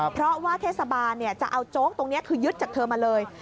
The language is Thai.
เพราะว่าเทศบาลจะเอาโจ๊กตรงนี้คือยึดจากเธอมาเลย